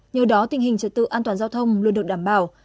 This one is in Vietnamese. nhờ đó tình hình trật tự an toàn giao thông luôn được đảm bảo